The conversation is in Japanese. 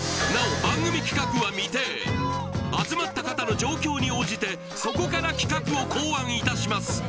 なお番組企画は未定集まった方の状況に応じてそこから企画を考案いたします